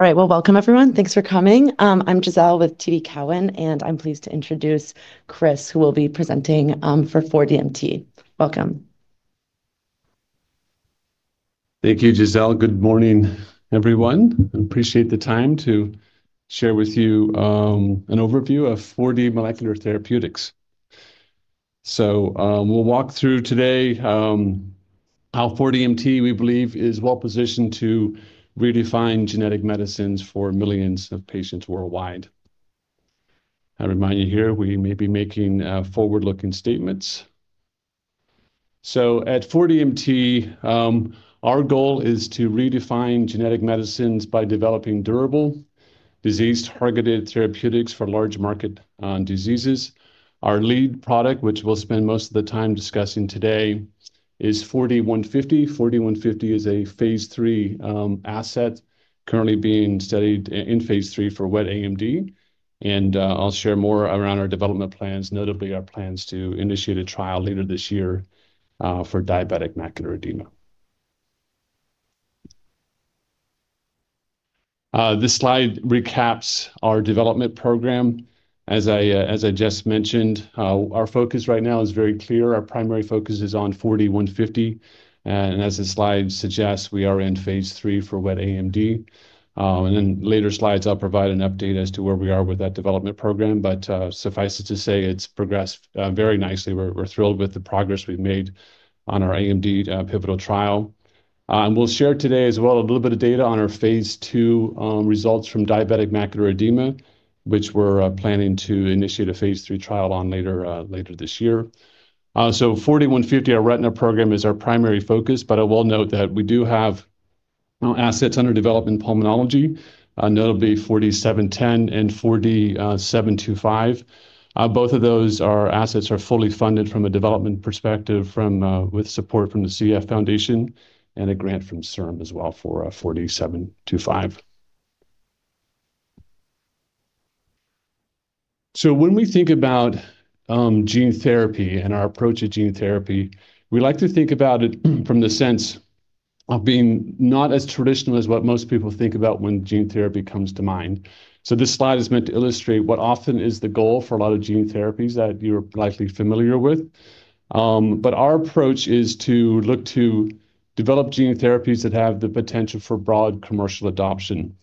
All right. Well, welcome everyone. Thanks for coming. I'm Giselle with TD Cowen, and I'm pleased to introduce Chris, who will be presenting for 4DMT. Welcome. Thank you, Giselle. Good morning, everyone. I appreciate the time to share with you an overview of 4D Molecular Therapeutics. We'll walk through today how 4DMT, we believe, is well-positioned to redefine genetic medicines for millions of patients worldwide. I remind you here, we may be making forward-looking statements. At 4DMT, our goal is to redefine genetic medicines by developing durable disease-targeted therapeutics for large market diseases. Our lead product, which we'll spend most of the time discussing today, is 4D-150. 4D-150 is a phase III asset currently being studied in phase III for wet AMD, and I'll share more around our development plans, notably our plans to initiate a trial later this year for diabetic macular edema. This slide recaps our development program. As I, as I just mentioned, our focus right now is very clear. Our primary focus is on 4D-150, and as the slide suggests, we are in phase III for wet AMD. Later slides, I'll provide an update as to where we are with that development program, but suffice it to say it's progressed very nicely. We're thrilled with the progress we've made on our AMD pivotal trial. We'll share today as well a little bit of data on our phase II results from diabetic macular edema, which we're planning to initiate a phase III trial on later later this year. So 4D-150, our retina program, is our primary focus, but I will note that we do have assets under development in pulmonology, notably 4D-710 and 4D-725. Both of those assets are fully funded from a development perspective from with support from the CF Foundation and a grant from CIRM as well for 4D-725. When we think about gene therapy and our approach to gene therapy, we like to think about it from the sense of being not as traditional as what most people think about when gene therapy comes to mind. This slide is meant to illustrate what often is the goal for a lot of gene therapies that you're likely familiar with. Our approach is to look to develop gene therapies that have the potential for broad commercial adoption.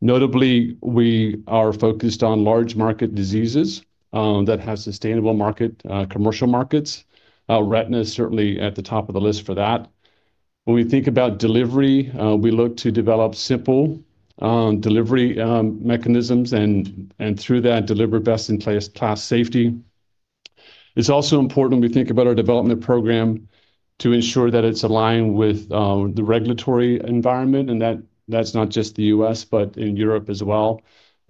Notably, we are focused on large market diseases that have sustainable market commercial markets. Retina is certainly at the top of the list for that. When we think about delivery, we look to develop simple delivery mechanisms and through that deliver best in place class safety. It's also important when we think about our development program to ensure that it's aligned with the regulatory environment, and that's not just the U.S., but in Europe as well.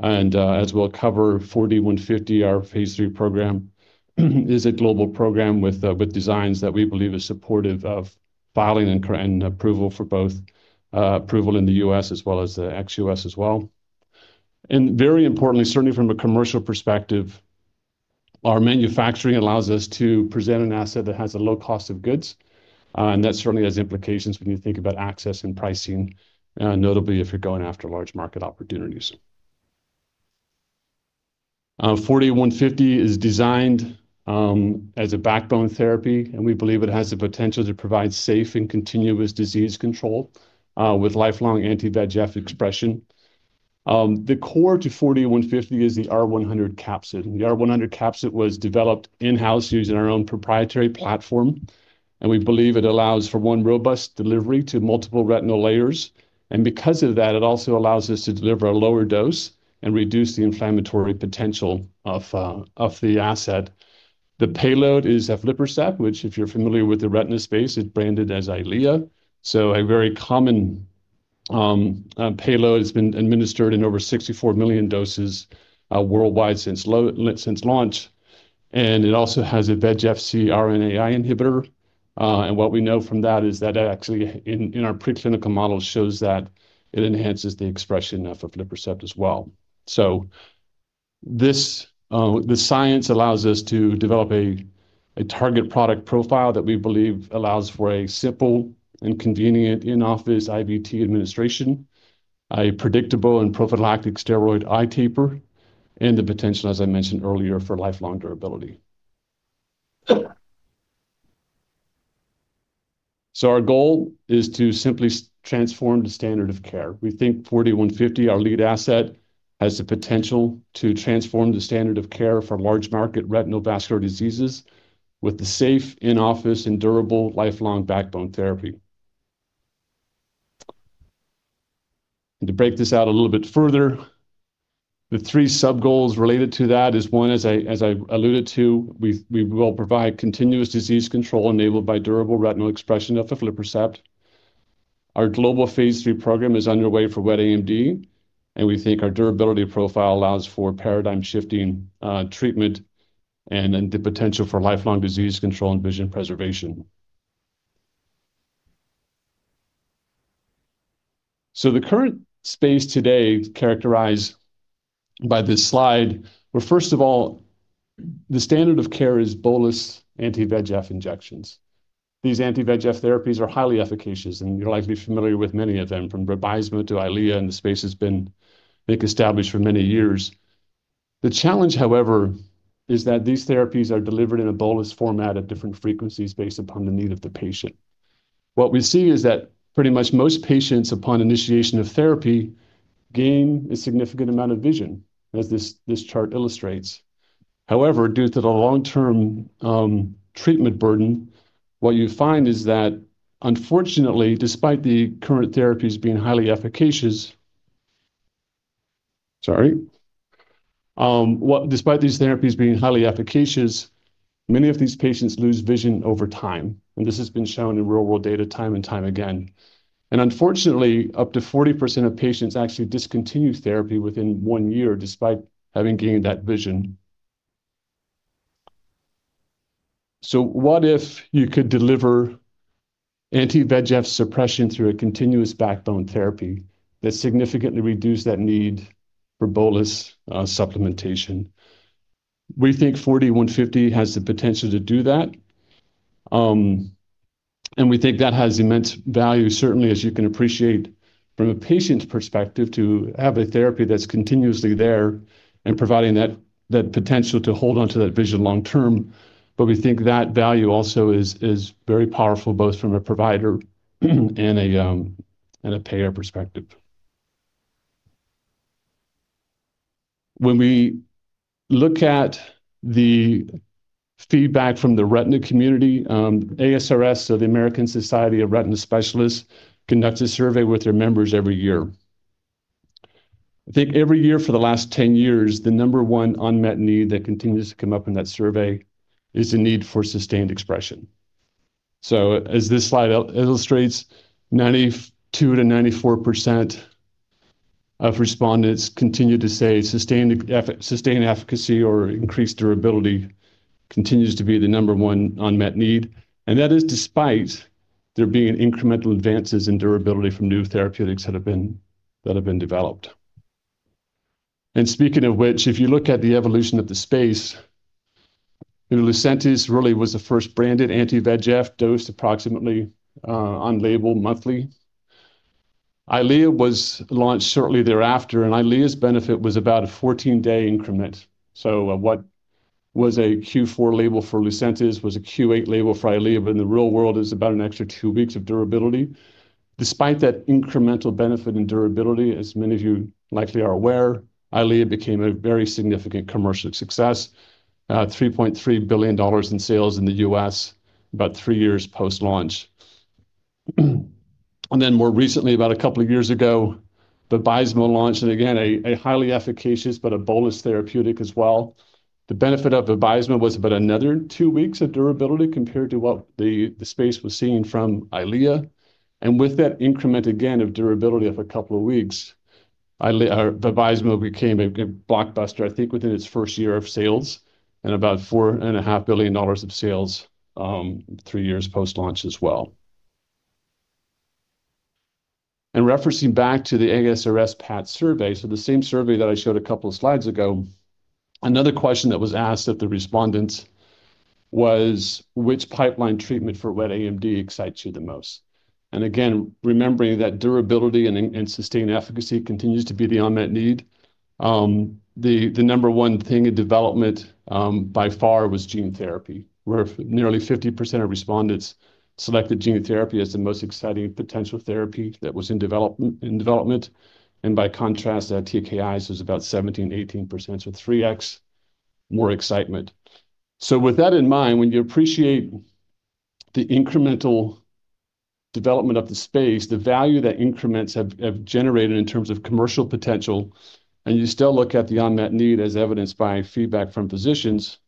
As we'll cover 4D-150, our phase III program, is a global program with designs that we believe is supportive of filing and approval for both approval in the U.S. as well as the ex-U.S. as well. Very importantly, certainly from a commercial perspective, our manufacturing allows us to present an asset that has a low cost of goods, and that certainly has implications when you think about access and pricing, notably if you're going after large market opportunities. 4D-150 is designed as a backbone therapy, we believe it has the potential to provide safe and continuous disease control with lifelong anti-VEGF expression. The core to 4D-150 is the R100 capsid. The R100 capsid was developed in-house using our own proprietary platform, we believe it allows for one robust delivery to multiple retinal layers. Because of that, it also allows us to deliver a lower dose and reduce the inflammatory potential of the asset. The payload is aflibercept, which, if you're familiar with the retina space, is branded as Eylea. A very common payload. It's been administered in over 64 million doses worldwide since launch. It also has a VEGF-C RNAi inhibitor. What we know from that is that it actually in our preclinical model shows that it enhances the expression of aflibercept as well. This the science allows us to develop a target product profile that we believe allows for a simple and convenient in-office IVT administration, a predictable and prophylactic steroid eye taper, and the potential, as I mentioned earlier, for lifelong durability. Our goal is to simply transform the standard of care. We think 4D-150 our lead asset, has the potential to transform the standard of care for large market retinal vascular diseases with the safe, in-office, and durable lifelong backbone therapy. To break this out a little bit further, the three sub goals related to that is one, as I alluded to, we will provide continuous disease control enabled by durable retinal expression of aflibercept. Our global phase III program is underway for wet AMD, and we think our durability profile allows for paradigm-shifting treatment and then the potential for lifelong disease control and vision preservation. The current space today characterized by this slide, where the standard of care is bolus anti-VEGF injections. These anti-VEGF therapies are highly efficacious, and you're likely familiar with many of them, from bevacizumab to Eylea, and the space has been established for many years. The challenge, however, is that these therapies are delivered in a bolus format at different frequencies based upon the need of the patient. What we see is that pretty much most patients upon initiation of therapy gain a significant amount of vision, as this chart illustrates. However, due to the long-term treatment burden, what you find is that unfortunately, despite the current therapies being highly efficacious... Sorry. Despite these therapies being highly efficacious, many of these patients lose vision over time, and this has been shown in real-world data time and time again. Unfortunately, up to 40% of patients actually discontinue therapy within one year despite having gained that vision. What if you could deliver anti-VEGF suppression through a continuous backbone therapy that significantly reduced that need for bolus supplementation? We think 4D-150 has the potential to do that, and we think that has immense value, certainly as you can appreciate from a patient's perspective to have a therapy that's continuously there and providing that potential to hold on to that vision long term. We think that value also is very powerful, both from a provider and a payer perspective. When we look at the feedback from the retina community, ASRS, the American Society of Retina Specialists, conducts a survey with their members every year. I think every year for the last 10 years, the number one unmet need that continues to come up in that survey is the need for sustained expression. As this slide illustrates, 92%-94% of respondents continue to say sustained efficacy or increased durability continues to be the number one unmet need. That is despite there being incremental advances in durability from new therapeutics that have been developed. Speaking of which, if you look at the evolution of the space, Lucentis really was the first branded anti-VEGF dosed approximately on label monthly. Eylea was launched shortly thereafter. Eylea's benefit was about a 14-day increment. What was a Q4 label for Lucentis was a Q8 label for Eylea, but in the real world is about an extra two weeks of durability. Despite that incremental benefit and durability, as many of you likely are aware, Eylea became a very significant commercial success, $3.3 billion in sales in the U.S. about three years post-launch. More recently, about a couple of years ago, Vabysmo launched, and again, a highly efficacious but a bolus therapeutic as well. The benefit of Vabysmo was about another two weeks of durability compared to what the space was seeing from Eylea. With that increment again of durability of a couple of weeks, Eylea or Vabysmo became a blockbuster, I think, within its first year of sales and about four and a half billion dollars of sales, three years post-launch as well. Referencing back to the ASRS PAT survey, so the same survey that I showed a couple of slides ago, another question that was asked of the respondents was which pipeline treatment for wet AMD excites you the most? Again, remembering that durability and sustained efficacy continues to be the unmet need. The number one thing in development, by far was gene therapy, where nearly 50% of respondents selected gene therapy as the most exciting potential therapy that was in development. By contrast, TKI was about 17%-18%. 3x more excitement. With that in mind, when you appreciate the incremental development of the space, the value that increments have generated in terms of commercial potential, and you still look at the unmet need as evidenced by feedback from physicians,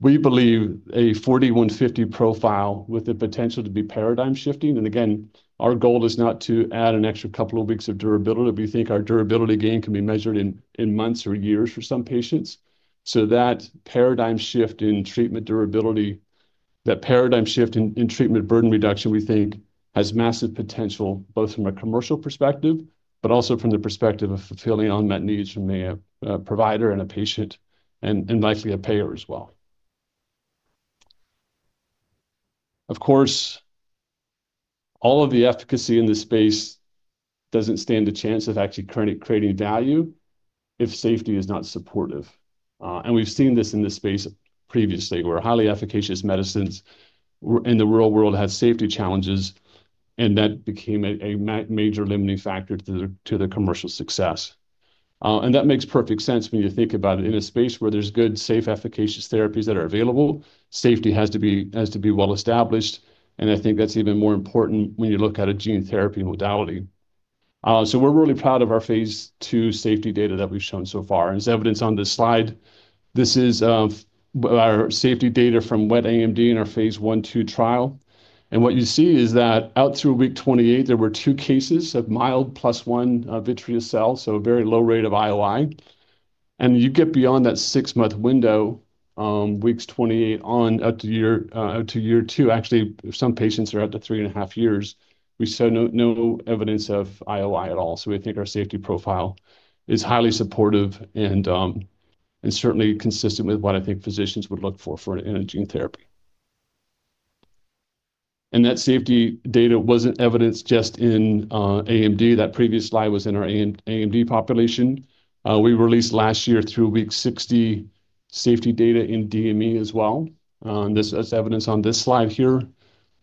we believe a 4D-150 profile with the potential to be paradigm shifting. Again, our goal is not to add an extra couple of weeks of durability. We think our durability gain can be measured in months or years for some patients. That paradigm shift in treatment durability, that paradigm shift in treatment burden reduction, we think has massive potential, both from a commercial perspective but also from the perspective of fulfilling unmet needs from a provider and a patient and likely a payer as well. Of course, all of the efficacy in this space doesn't stand a chance of actually creating value if safety is not supportive. We've seen this in this space previously, where highly efficacious medicines in the real world had safety challenges, and that became a major limiting factor to the commercial success. That makes perfect sense when you think about it. In a space where there's good, safe, efficacious therapies that are available, safety has to be well-established, and I think that's even more important when you look at a gene therapy modality. We're really proud of our phase II safety data that we've shown so far. As evidence on this slide, this is our safety data from wet AMD in our phase I/II trial. What you see is that out through week 28, there were two cases of mild plus one vitreous cells, so a very low rate of IOI. You get beyond that six-month window. Weeks 28 on up to year two, actually, some patients are up to 3.5 years, we saw no evidence of IOI at all. We think our safety profile is highly supportive and certainly consistent with what I think physicians would look for for an gene therapy. That safety data wasn't evidenced just in AMD. That previous slide was in our AMD population. We released last year through week 60 safety data in DME as well, this as evidence on this slide here.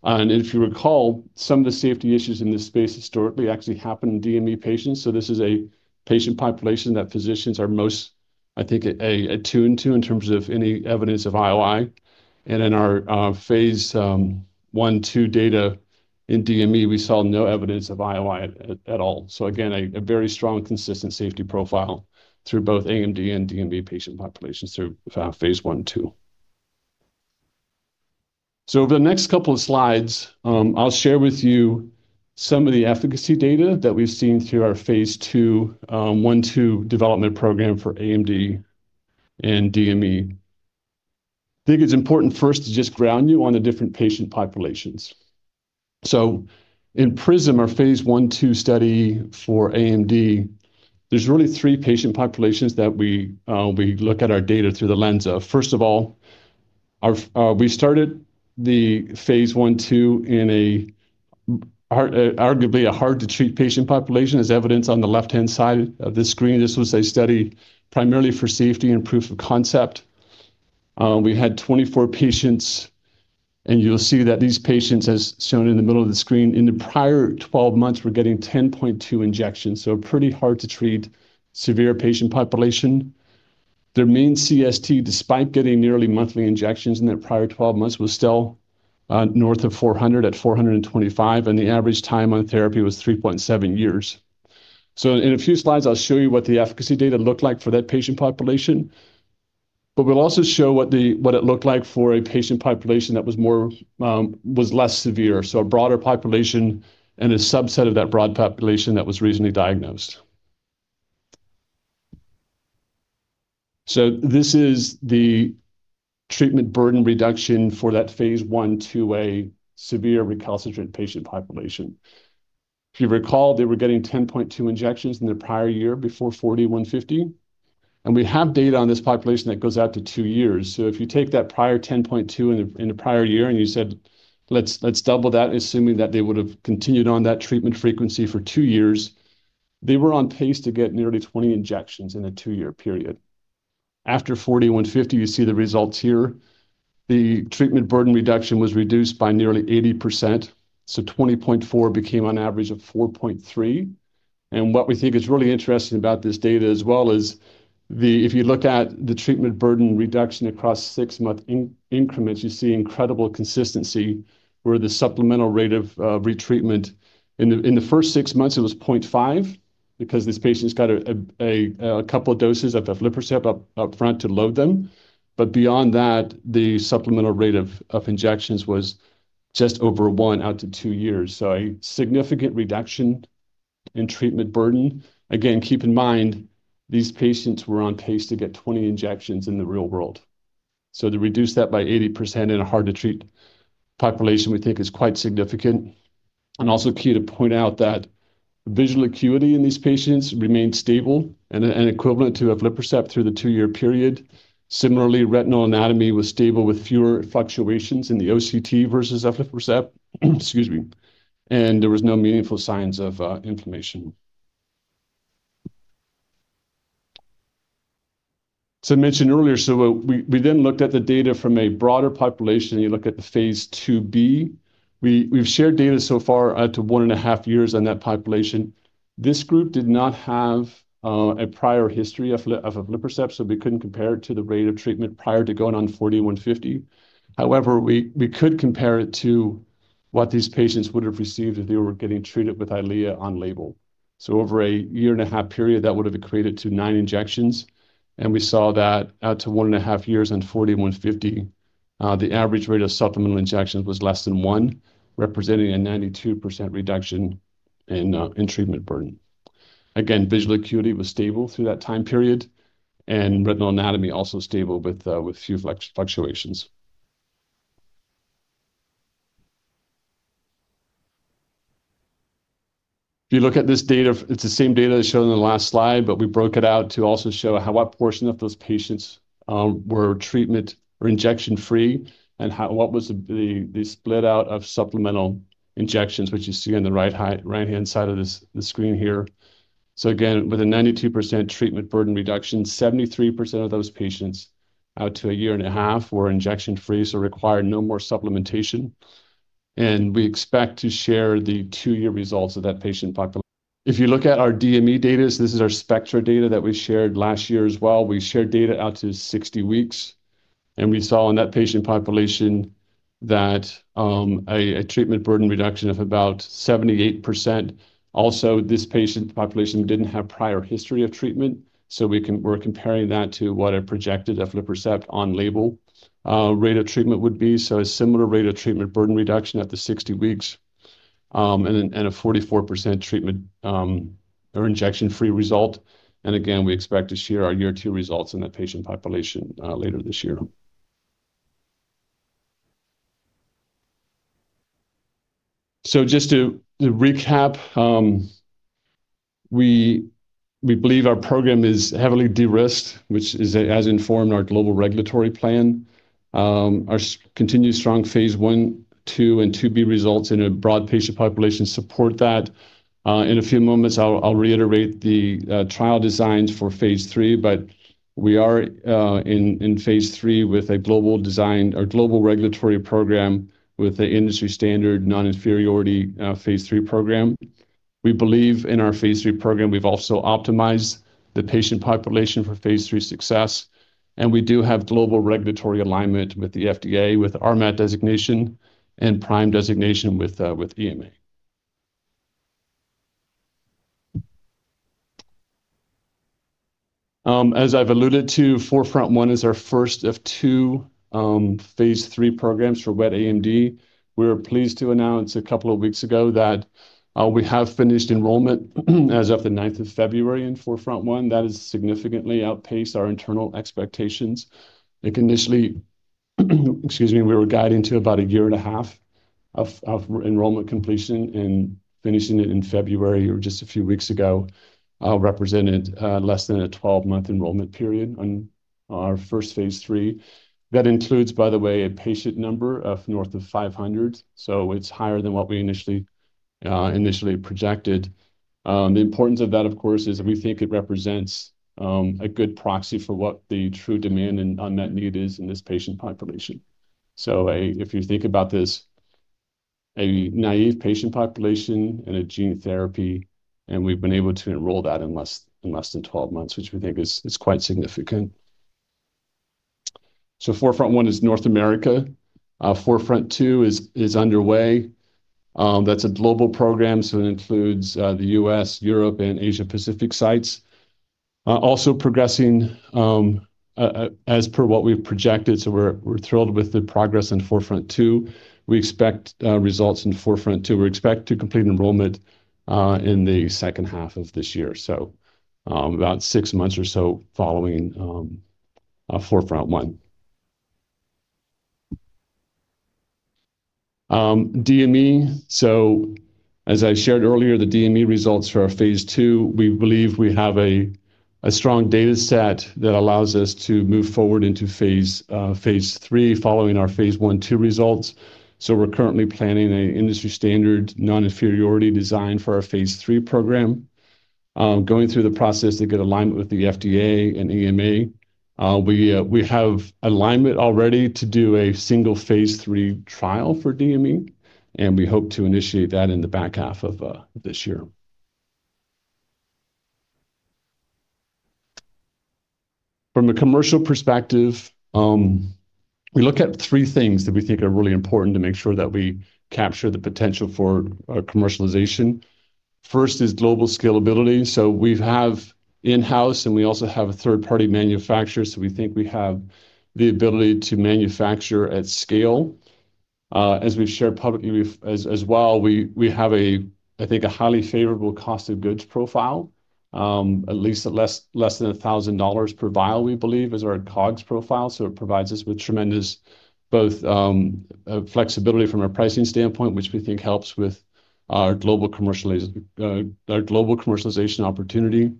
If you recall, some of the safety issues in this space historically actually happened in DME patients. This is a patient population that physicians are most, I think, attuned to in terms of any evidence of IOI. In our phase I/II data in DME, we saw no evidence of IOI at all. Again, a very strong, consistent safety profile through both AMD and DME patient populations through phase I/II. Over the next couple of slides, I'll share with you some of the efficacy data that we've seen through our phase I/II development program for AMD and DME. I think it's important first to just ground you on the different patient populations. In PRISM, our phase I, II study for AMD, there's really three patient populations that we look at our data through the lens of. First of all, we started the phase I, II in arguably a hard-to-treat patient population, as evidenced on the left-hand side of this screen. This was a study primarily for safety and proof of concept. We had 24 patients, and you'll see that these patients, as shown in the middle of the screen, in the prior 12 months were getting 10.2 injections, so pretty hard to treat severe patient population. Their mean CST, despite getting nearly monthly injections in their prior 12 months, was still north of 400, at 425, and the average time on therapy was 3.7 years. In a few slides, I'll show you what the efficacy data looked like for that patient population. We'll also show what it looked like for a patient population that was more, was less severe, so a broader population and a subset of that broad population that was reasonably diagnosed. This is the treatment burden reduction for that phase I/II-A severe recalcitrant patient population. If you recall, they were getting 10.2 injections in the prior year before 4D-150. We have data on this population that goes out to two years. If you take that prior 10.2 in the prior year, and you said, "Let's double that," assuming that they would have continued on that treatment frequency for two years, they were on pace to get nearly 20 injections in a two-year period. After 4D-150, you see the results here. The treatment burden reduction was reduced by nearly 80%, 20.4 became on average of 4.3. What we think is really interesting about this data as well is if you look at the treatment burden reduction across six-month increments, you see incredible consistency where the supplemental rate of retreatment in the first six months, it was 0.5 because these patients got a couple of doses of aflibercept up front to load them. Beyond that, the supplemental rate of injections was just over one out to two years. A significant reduction in treatment burden. Again, keep in mind these patients were on pace to get 20 injections in the real world. To reduce that by 80% in a hard-to-treat population we think is quite significant. Also key to point out that visual acuity in these patients remained stable and equivalent to aflibercept through the two-year period. Similarly, retinal anatomy was stable with fewer fluctuations in the OCT versus aflibercept. Excuse me. There was no meaningful signs of inflammation. I mentioned earlier, we then looked at the data from a broader population. You look at the phase II-B. We've shared data so far out to 1.5 years on that population. This group did not have a prior history of aflibercept, so we couldn't compare it to the rate of treatment prior to going on 4D-150. We could compare it to what these patients would have received if they were getting treated with Eylea on-label. Over a year-and-a-half period, that would have equated to nine injections, and we saw that out to one and a half years on 4D-150, the average rate of supplemental injections was less than 1, representing a 92% reduction in treatment burden. Again, visual acuity was stable through that time period, and retinal anatomy also stable with few fluctuations. If you look at this data, it's the same data as shown in the last slide, but we broke it out to also show how what portion of those patients were treatment or injection-free and what was the split out of supplemental injections, which you see on the right-hand side of this screen here. Again, with a 92% treatment burden reduction, 73% of those patients out to 1.5 years were injection-free, so required no more supplementation. We expect to share the two-year results of that patient. If you look at our DME data, so this is our SPECTRA data that we shared last year as well. We shared data out to 60 weeks, and we saw in that patient population that a treatment burden reduction of about 78%. Also, this patient population didn't have prior history of treatment, so we're comparing that to what a projected aflibercept on-label rate of treatment would be. A similar rate of treatment burden reduction at the 60 weeks, and a 44% treatment, or injection-free result. Again, we expect to share our year two results in that patient population, later this year. Just to recap, we believe our program is heavily derisked, which has informed our global regulatory plan. Our continued strong phase I, II, and II-B results in a broad patient population support that. In a few moments, I'll reiterate the trial designs for phase III, but we are in phase III with a global design or global regulatory program with the industry standard non-inferiority, phase III program. We believe in our phase III program. We've also optimized the patient population for phase III success. We do have global regulatory alignment with the FDA, with RMAT designation and PRIME designation with EMA. As I've alluded to, 4FRONT-1 is our first of two, phase III programs for wet AMD. We were pleased to announce a couple of weeks ago that we have finished enrollment as of the 9th of February in 4FRONT-1. That has significantly outpaced our internal expectations. Like initially, excuse me, we were guiding to about a year and a half of enrollment completion, finishing it in February or just a few weeks ago, represented less than a 12-month enrollment period on our first phase III. That includes, by the way, a patient number of north of 500, so it's higher than what we initially projected. The importance of that, of course, is we think it represents a good proxy for what the true demand and unmet need is in this patient population. If you think about this, a naive patient population and a gene therapy, and we've been able to enroll that in less than 12 months, which we think is quite significant. 4FRONT-1 is North America. 4FRONT-2 is underway. That's a global program, so it includes the U.S., Europe, and Asia Pacific sites. Also progressing as per what we've projected, so we're thrilled with the progress in 4FRONT-2. We expect results in 4FRONT-2. We expect to complete enrollment in the second half of this year. About six months or so following 4FRONT-1. DME. As I shared earlier, the DME results for our phase II, we believe we have a strong data set that allows us to move forward into phase III following our phase I/II results. We're currently planning an industry-standard non-inferiority design for our phase III program. Going through the process to get alignment with the FDA and EMA. We have alignment already to do a single phase III trial for DME, and we hope to initiate that in the back half of this year. From a commercial perspective, we look at three things that we think are really important to make sure that we capture the potential for commercialization. First is global scalability. We have in-house, and we also have a third-party manufacturer, so we think we have the ability to manufacture at scale. As we've shared publicly, as well, we have a, I think a highly favorable cost of goods profile. At least at less than $1,000 per vial, we believe is our COGS profile. It provides us with tremendous both flexibility from a pricing standpoint, which we think helps with our global commercialization opportunity.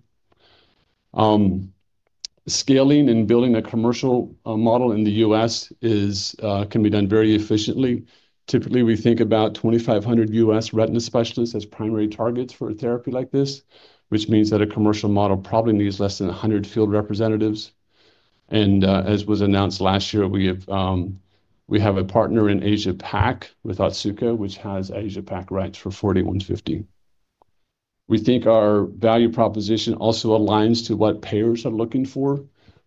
Scaling and building a commercial model in the U.S. is can be done very efficiently. Typically, we think about 2,500 U.S. retina specialists as primary targets for a therapy like this, which means that a commercial model probably needs less than 100 field representatives. As was announced last year, we have a partner in Asia Pac with Otsuka, which has Asia Pac rights for 4D-150. We think our value proposition also aligns to what payers are looking for.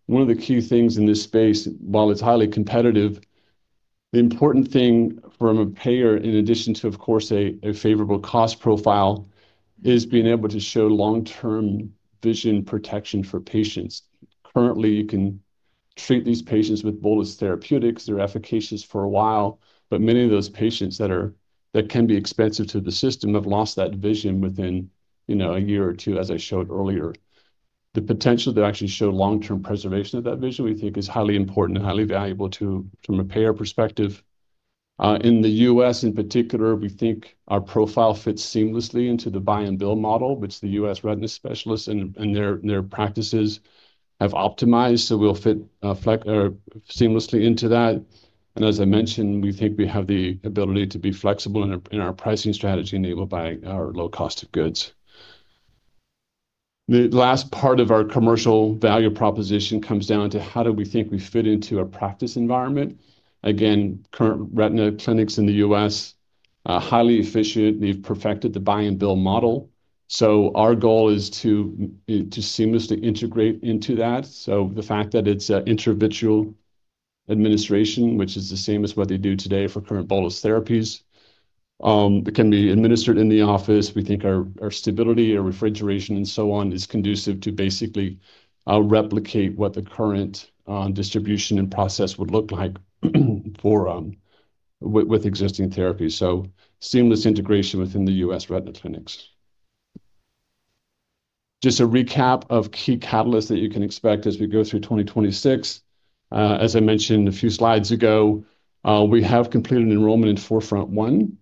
One of the key things in this space, while it's highly competitive, the important thing from a payer, in addition to, of course, a favorable cost profile, is being able to show long-term vision protection for patients. Currently, you can treat these patients with bolus therapeutics. They're efficacious for a while, but many of those patients that can be expensive to the system have lost that vision within, you know, a year or two, as I showed earlier. The potential to actually show long-term preservation of that vision, we think is highly important and highly valuable to, from a payer perspective. In the U.S. in particular, we think our profile fits seamlessly into the buy and bill model, which the U.S. retina specialists and their practices have optimized. We'll fit seamlessly into that. As I mentioned, we think we have the ability to be flexible in our pricing strategy enabled by our low cost of goods. The last part of our commercial value proposition comes down to how do we think we fit into a practice environment. Again, current retina clinics in the U.S. are highly efficient. They've perfected the buy and bill model. Our goal is to seamlessly integrate into that. The fact that it's intravitreal administration, which is the same as what they do today for current bolus therapies, it can be administered in the office. We think our stability, our refrigeration, and so on is conducive to basically replicate what the current distribution and process would look like for with existing therapies. Seamless integration within the U.S. retina clinics. Just a recap of key catalysts that you can expect as we go through 2026. As I mentioned a few slides ago, we have completed enrollment in 4FRONT-1.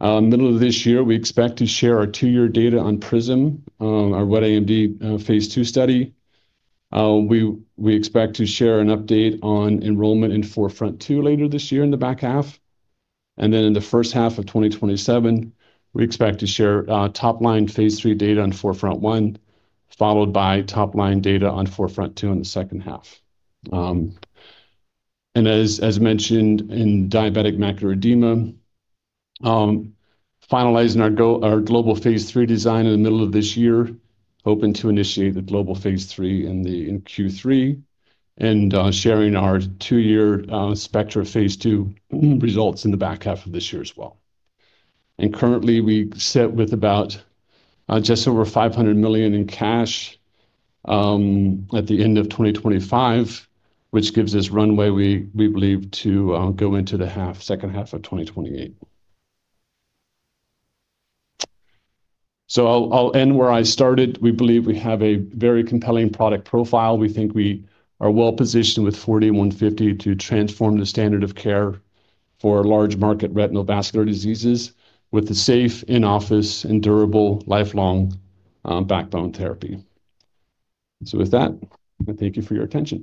Middle of this year, we expect to share our two-year data on PRISM, our wet AMD, phase II study. We expect to share an update on enrollment in 4FRONT-2 later this year in the back half. In the first half of 2027, we expect to share top line phase III data on 4FRONT-1, followed by top line data on 4FRONT-2 in the second half. As, as mentioned in diabetic macular edema, finalizing our global phase III design in the middle of this year, hoping to initiate the global phase III in Q3, sharing our two-year SPECTRA phase II results in the back half of this year as well. Currently, we sit with about just over $500 million in cash at the end of 2025, which gives us runway we believe to go into the second half of 2028. I'll end where I started. We believe we have a very compelling product profile. We think we are well-positioned with 4D-150 to transform the standard of care for large market retinal vascular diseases with the safe in-office and durable lifelong backbone therapy. With that, I thank you for your attention.